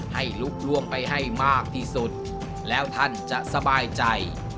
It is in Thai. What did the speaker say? ให้ลุกล่วงไปให้มากที่สุดแล้วท่านจะสบายใจ